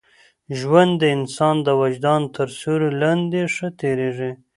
ژوند د انسان د وجدان تر سیوري لاندي ښه تېرېږي.